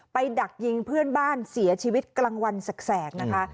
ดักยิงเพื่อนบ้านเสียชีวิตกลางวันแสกนะคะ